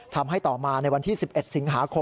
ทำให้ต่อมาในวันที่๑๑ศ